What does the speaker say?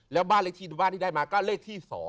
แล้วบ้านเลขที่ได้มาก็เลขที่๒